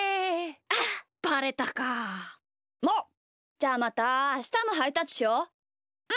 じゃあまたあしたもハイタッチしよう。